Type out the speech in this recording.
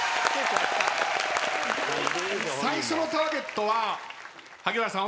最初のターゲットは萩原さん